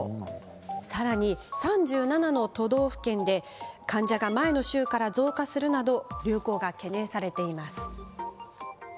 さらに、３７の都道府県で患者が前の週から増加するなど流行が懸念されています。